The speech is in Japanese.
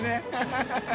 ハハハ